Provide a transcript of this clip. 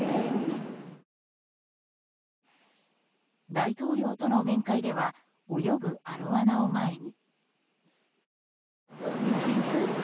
大統領との面会では泳ぐアロワナを前に。